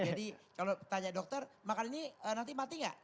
jadi kalau tanya dokter makan ini nanti mati gak